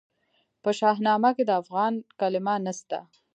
په شاهنامه کې د افغان کلمه نسته.